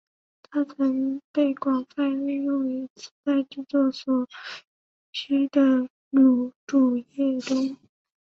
它曾被广泛应用于磁带制作所需的乳浊液中。